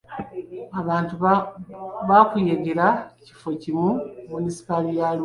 Abantu bakuyegera kifo mu munisipaali ya Arua.